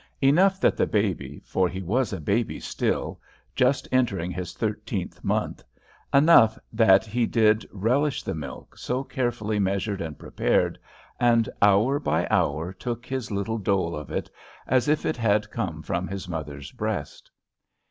Enough that the baby, for he was a baby still, just entering his thirteenth month, enough that he did relish the milk, so carefully measured and prepared, and hour by hour took his little dole of it as if it had come from his mother's breast.